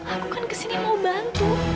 aku kan kesini mau bantu